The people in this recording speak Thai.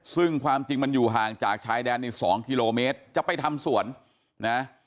ซึ่งความจริงมันอยู่ห่างจากชายแดนใน๒กิโลเมตรจะไปทำสวนนะ